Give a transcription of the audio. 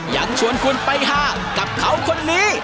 ยังชวนคุณไปหากับเขาคนนี้